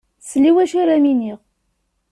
Sell i wacu ara m-iniɣ.